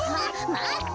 まって！